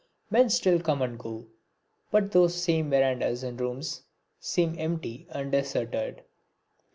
Men still come and go, but those same verandahs and rooms seem empty and deserted.